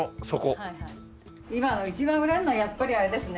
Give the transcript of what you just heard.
今一番売れるのはやっぱりあれですね